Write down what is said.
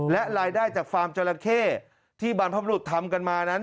และรายได้จากฟาร์มจราเข้ที่บรรพบรุษทำกันมานั้น